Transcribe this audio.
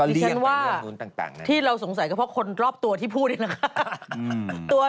ดิฉันว่าที่เราสงสัยก็เพราะคนรอบตัวที่พูดนี่แหละ